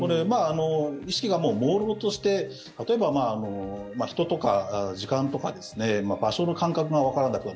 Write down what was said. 意識がもう、もうろうとして例えば人とか時間とか場所の感覚がわからなくなる。